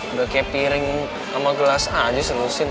udah kayak piring sama gelas aja selusin